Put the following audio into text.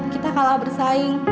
kita kalah bersaing